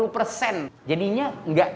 tiga puluh persen jadinya